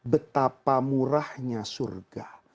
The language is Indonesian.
betapa murahnya surga